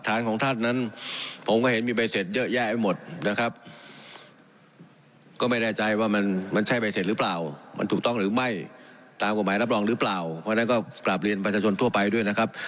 ตามความหมายรับรองหรือเปล่าก็กลับไปเรียนประชาชนทั่วไปด้วยนะครับ